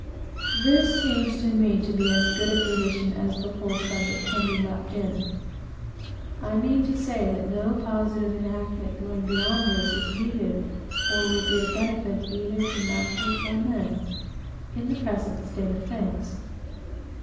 This seems to me to be as good a position as the whole subject can be left in. I mean to say, that no positive enactment, going beyond this, is needed, or would be a benefit either to masters or men, in the present state of things.